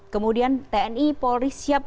kemudian tni polri siap